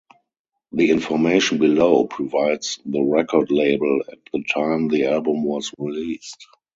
The information below provides the record label at the time the album was released.